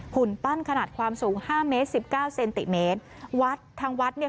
หุ่นปั้นขนาดความสูงห้าเมตรสิบเก้าเซนติเมตรวัดทางวัดเนี่ย